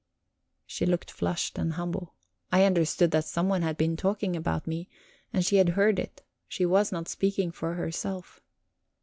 She looked flushed and humble. I understood that someone had been talking about me, and she had heard it; she was not speaking for herself.